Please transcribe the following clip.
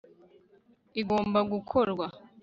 igomba gukorwa